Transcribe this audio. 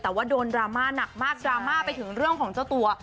แต่ว่าโดนดราม่าหนักมากดราม่าไปถึงเรื่องของเจ้าตัว